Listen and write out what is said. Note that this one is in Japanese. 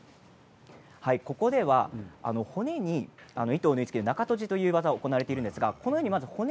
ここでは骨に影響を縫い付ける中とじという技を行われています。